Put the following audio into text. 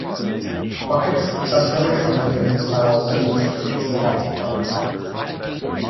Buckets suspended from cranes are also used to place the concrete.